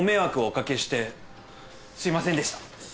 おかけしてすいませんでした！